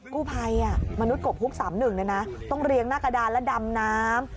กู้ภัยมนุษย์กบฮุก๓๑ต้องเรียงหน้ากระดานและดำน้ำ